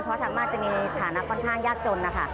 เพราะทางบ้านจะมีฐานะค่อนข้างยากจนนะคะ